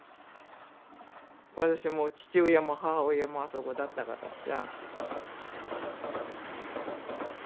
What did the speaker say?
私も父親も母親もあそこだったからさ。